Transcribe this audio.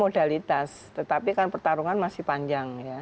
menurut saya keuntungan adalah modalitas tetapi kan pertarungan masih panjang ya